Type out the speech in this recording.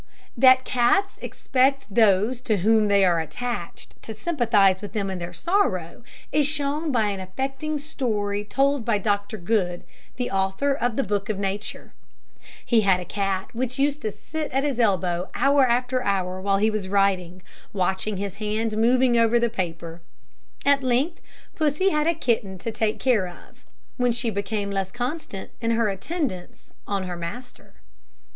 That cats expect those to whom they are attached to sympathise with them in their sorrow, is shown by an affecting story told by Dr Good, the author of the "Book of Nature." He had a cat which used to sit at his elbow hour after hour while he was writing, watching his hand moving over the paper. At length Pussy had a kitten to take care of, when she became less constant in her attendance on her master.